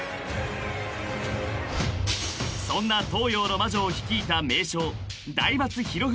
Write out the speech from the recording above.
［そんな東洋の魔女を率いた名将］